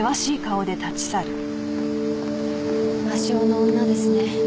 魔性の女ですね。